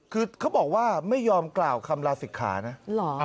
คือเขาบอกว่าไม่ยอมกล่าวคำลาศิกขานะ